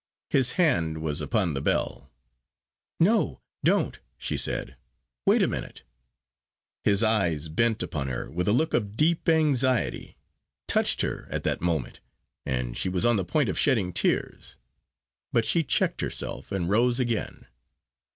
His hand was upon the bell. "No, don't!" she said. "Wait a minute." His eyes, bent upon her with a look of deep anxiety, touched her at that moment, and she was on the point of shedding tears; but she checked herself, and rose again.